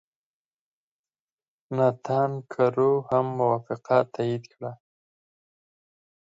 ناتان کرو هم موافقه تایید کړه.